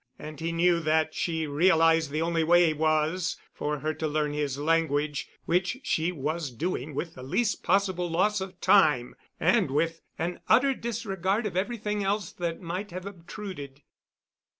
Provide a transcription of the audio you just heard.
And he knew that she realized the only way was for her to learn his language, which she was doing with the least possible loss of time, and with an utter disregard of everything else that might have obtruded.